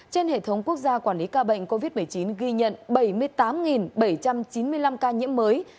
trên hệ thống quốc gia quản lý ca bệnh covid một mươi chín ghi nhận bảy mươi tám bảy trăm chín mươi năm ca nhiễm mới